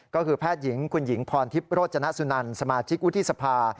ก็คือแพทย์หญิงคุณหญิงพรทิพย์โรจนสุนันสมาชิกวุฒิสภา